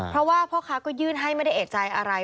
เพราะว่าพ่อค้าก็ยื่นให้ไม่ได้เอกใจอะไร